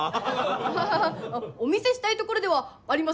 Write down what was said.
アハハお見せしたいところではありますな！